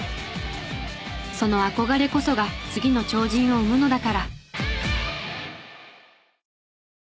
その「憧れ」こそが次の超人を生むのだから。